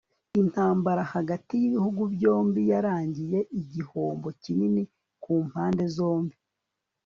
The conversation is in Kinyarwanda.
intambara hagati y'ibihugu byombi yarangiye igihombo kinini ku mpande zombi